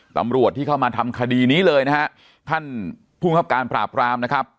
ตำรวจที่เข้ามาทำคดีนี้เลยนะฮะท่านภูมิครับการปราบรามนะครับ